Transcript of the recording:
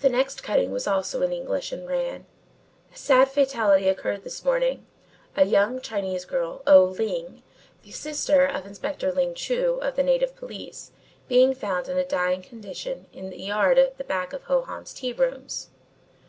The next cutting was also in English and ran: "A sad fatality occurred this morning, a young Chinese girl, O Ling, the sister of Inspector Ling Chu, of the Native Police, being found in a dying condition in the yard at the back of Ho Hans's tea rooms.